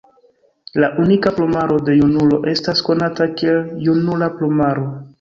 La unika plumaro de junulo estas konata kiel junula plumaro.